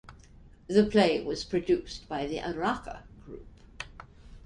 The play was produced by The Araca Group.